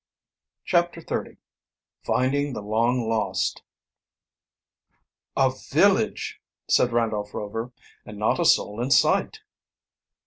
CHAPTER XXX FINDING THE LONG LOST "A village!" said Randolph Rover. "And not a soul in sight."